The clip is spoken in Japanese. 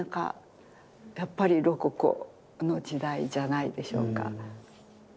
やっぱりロココの時代じゃないでしょうか。